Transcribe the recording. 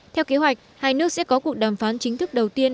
theo kế hoạch hai nước sẽ có cuộc đàm phán chính thức đầu tiên